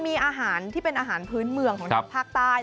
มีอาหารที่เป็นอาหารพื้นเมืองของทางภาคใต้